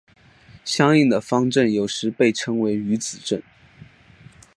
相应的方阵有时被称为余子阵。